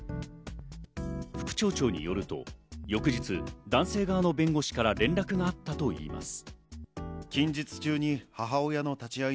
副町長によると、翌日、男性側の弁護士から連絡があったといいます。